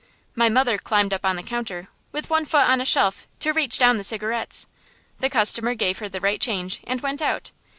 My mother climbed up on the counter, with one foot on a shelf, to reach down the cigarettes. The customer gave her the right change, and went out.